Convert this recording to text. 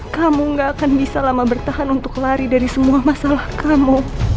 kamu gak akan bisa lama bertahan untuk lari dari semua masalah kamu